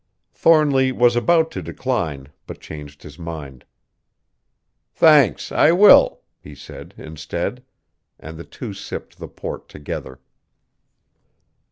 Thornly was about to decline, but changed his mind. "Thanks, I will," he said instead. And the two sipped the port together.